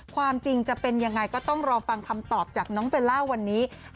ความจริงจะเป็นยังไงก็ต้องรอฟังคำตอบจากน้องเบลล่าวันนี้